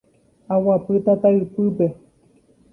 Aguapy tata ypýpe